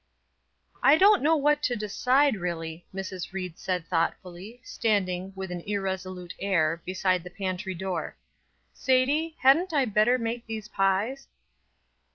"I don't know what to decide, really," Mrs. Ried said thoughtfully, standing, with an irresolute air, beside the pantry door. "Sadie, hadn't I better make these pies?"